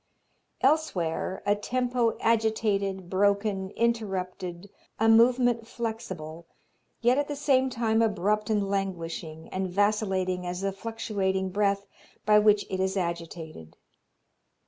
Elsewhere, "a tempo agitated, broken, interrupted, a movement flexible, yet at the same time abrupt and languishing, and vacillating as the fluctuating breath by which it is agitated."